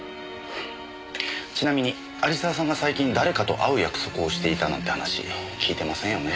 ちなみに有沢さんが最近誰かと会う約束をしていたなんて話聞いてませんよね？